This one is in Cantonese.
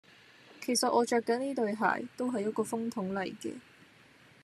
其實我著緊呢對鞋，都係一個風筒嚟嘅